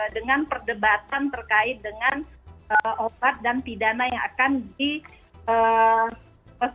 dengan perdebatan terkait dengan obat dan pidana yang akan dilakukan